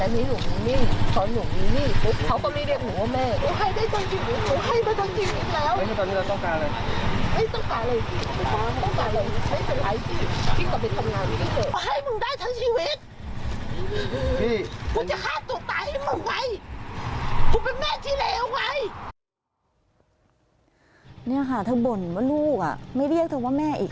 นี่ค่ะเธอบ่นว่าลูกไม่เรียกเธอว่าแม่อีก